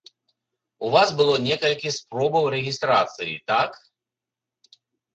У вас было некалькі спробаў рэгістрацыі, так?